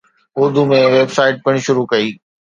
Urdu ۾ website پڻ شروع ڪئي.